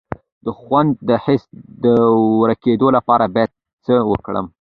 د خوند د حس د ورکیدو لپاره باید څه وکړم؟